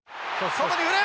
外に振る！